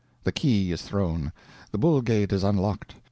The key is thrown, the bull gate is unlocked.